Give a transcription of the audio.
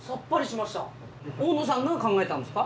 大野さんが考えたんですか？